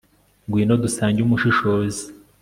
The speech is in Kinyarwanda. ngwino dusange umushishozi